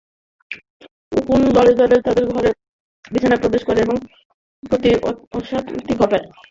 উকুন দলে দলে তাদের ঘরে ও বিছানায় প্রবেশ করে এবং তাদের প্রতি অশান্তি ঘটায়।